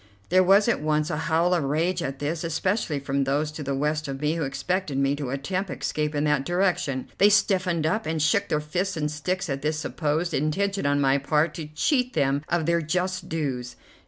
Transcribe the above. There was at once a howl of rage at this, especially from those to the west of me, who expected me to attempt escape in that direction. They stiffened up, and shook fists and sticks at this supposed intention on my part to cheat them of their just dues.